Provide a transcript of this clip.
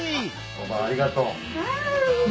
おばあありがとう。